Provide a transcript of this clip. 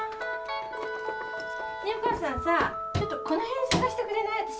ねえお母さんさちょっとこの辺捜してくれない？